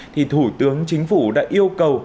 thì thủ tướng chính phủ đã yêu cầu